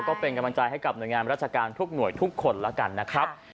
ก็เป็นกำลังใจให้กับหน่วยงานราชการทุกหน่วยทุกคนแล้วกันนะครับ